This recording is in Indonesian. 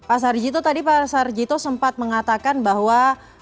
pak sarjito tadi pak sarjito sempat mengatakan bahwa